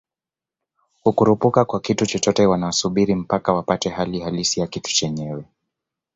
kukurupuka kwa kitu chochote wanasubiri mpaka wapate hali halisi ya kitu chenyewe